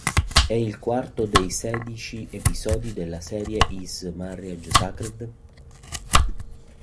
È il quarto dei sedici episodi del serial "Is Marriage Sacred?".